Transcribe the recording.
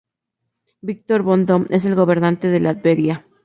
Victor von Doom es el gobernante de Latveria.